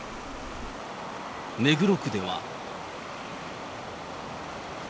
目黒区では。